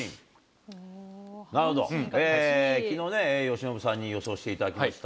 なるほど、きのうね、由伸さんに予想していただきました。